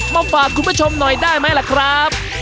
มาฝากคุณผู้ชมหน่อยได้ไหมล่ะครับ